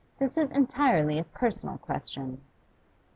This is entirely a personal question.